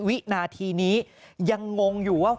วินาทีนี้ยังงงอยู่ว่า